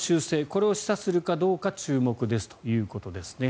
これを示唆するかどうか注目ですということですね。